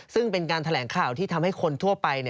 ซึ่งเป็นการแถลงข่าวที่ทำให้คนทั่วไป